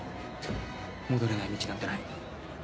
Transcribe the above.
戻れない道なんてない。